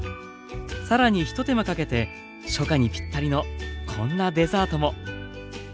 さらにひと手間かけて初夏にぴったりのこんなデザートも。